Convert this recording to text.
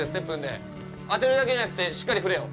当てるだけじゃなくてしっかり振れよ。